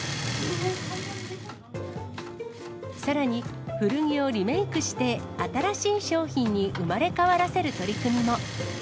さらに、古着をリメークして、新しい商品に生まれ変わらせる取り組みも。